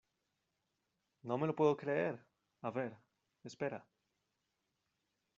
¡ no me lo puedo creer! a ver, espera.